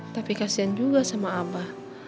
tapi kasian juga sama abah